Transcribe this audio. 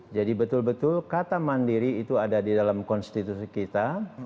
jadi betul betul kata mandiri itu ada di dalam konstitusi kita